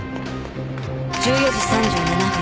１４時３７分